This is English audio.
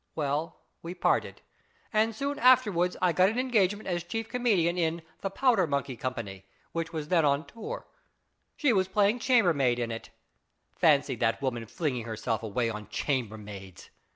Well, we parted, and soon afterwards I got an engagement as chief 16 260 IS IT A MAN? comedian in the ' Powder Monkey ' Company, which was then on tour. She was playing chambermaid in it. Fancy that woman fling ing herself away on chambermaids